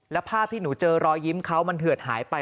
แล้วภาพที่หนูเจอรอยยิ้มเขามันเหือดหายไป